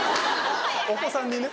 お子さんにね。